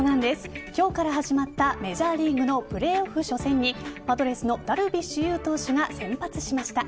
今日から始まったメジャーリーグのプレーオフ初戦にパドレスのダルビッシュ有投手が先発しました。